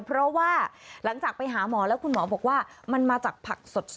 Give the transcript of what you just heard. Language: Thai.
เพราะว่าหลังจากไปหาหมอแล้วคุณหมอบอกว่ามันมาจากผักสด